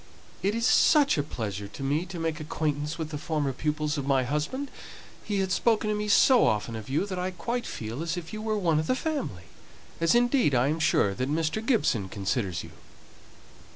"It is such a pleasure to me to make acquaintance with the former pupils of my husband. He has spoken to me so often of you that I quite feel as if you were one of the family, as indeed I am sure that Mr. Gibson considers you."